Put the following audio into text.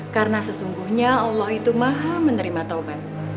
karena sesungguhnya allah itu maha menerima tobat